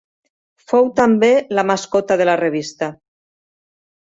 Fou també la mascota de la revista.